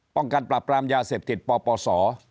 ป้องกันปราบปรามยาเสพติดปปศ